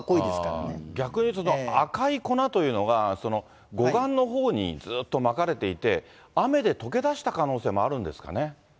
逆に言うと、赤い粉というのが、護岸のほうにずっとまかれていて、雨で溶けだした可能性もあるんですかね。